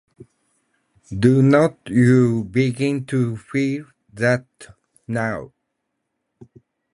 Do not you begin to feel that now?